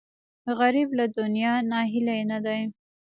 غریب له دنیا ناهیلی نه دی